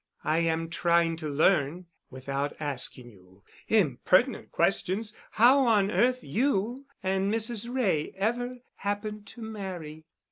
I am trying to learn (without asking you impertinent questions) how on earth you and Mrs. Wray ever happened to marry."